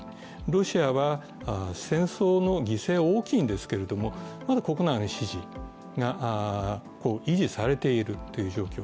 ロシアは戦争の犠牲は大きいんですけれども、まだ国内の支持が維持されているという状況。